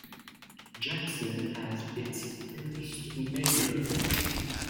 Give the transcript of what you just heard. Jackson as its first mayor.